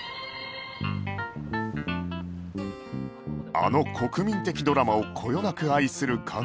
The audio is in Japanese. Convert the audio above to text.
あの国民的ドラマをこよなく愛する架川